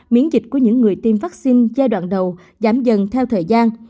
miễn dịch của những người tiêm vaccine giai đoạn đầu giảm dần theo thời gian